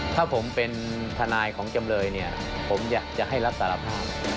ถ้าผมเป็นทนายของจำเลยเนี่ยผมอยากจะให้รับสารภาพ